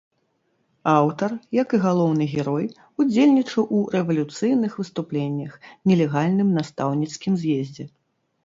Аўтар, як і галоўны герой, удзельнічаў у рэвалюцыйных выступленнях, нелегальным настаўніцкім з'ездзе.